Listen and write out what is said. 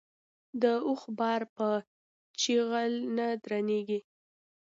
د اوښ بار په چيغل نه درنېږي.